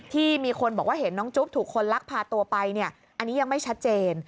ที่มีคนบอกว่าเห็นน้องจุ๊บถูกคนลักพาตัวไปเนี่ยอันนี้ยังไม่ชัดเจน